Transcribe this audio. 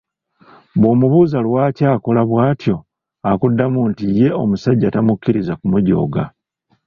Bw'omubuuza lwaki akola bw’atyo akuddamu kimu nti ye omusajja tamukkiriza kumujooga.